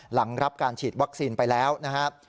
หลังรับการฉีดวัคซีนไปแล้วนะครับ